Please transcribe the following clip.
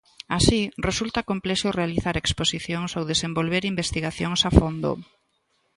Así, resulta complexo realizar exposicións ou desenvolver investigacións a fondo.